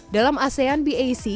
dalam asean bac